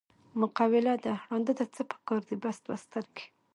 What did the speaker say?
مقوله ده: ړانده ته څه په کار دي، بس دوه سترګې.